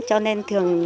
cho nên thường